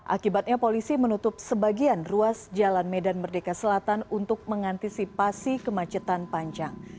akibatnya polisi menutup sebagian ruas jalan medan merdeka selatan untuk mengantisipasi kemacetan panjang